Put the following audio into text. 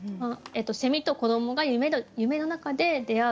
と子どもが夢のなかで出会う。